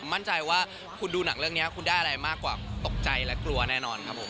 มั่นใจว่าคุณดูหนังเรื่องนี้คุณได้อะไรมากกว่าตกใจและกลัวแน่นอนครับผม